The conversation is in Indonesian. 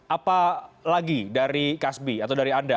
apa lagi dari kasbi atau dari anda